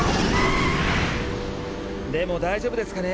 でも大丈夫ですかね